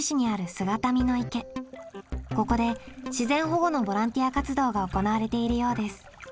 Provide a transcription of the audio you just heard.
ここで自然保護のボランティア活動が行われているようです。